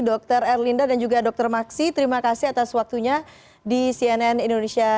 dr erlinda dan juga dr maksi terima kasih atas waktunya di cnn indonesia